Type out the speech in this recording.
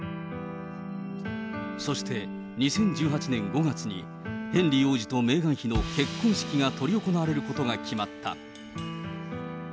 そして２０１８年５月に、ヘンリー王子とメーガン妃の結婚式が執り行われることが決まった。